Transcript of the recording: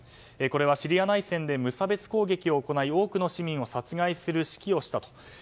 これはシリア内戦で無差別攻撃を行い多くの市民を殺害する指揮をしたと。